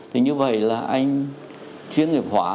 thì như vậy là anh chuyên nghiệp họa